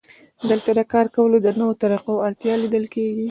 دلته د کار کولو د نویو طریقو اړتیا لیدل کېږي